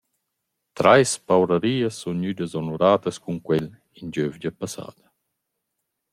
Trais paurarias sun gnüdas onuradas cun quel in gövgia passada.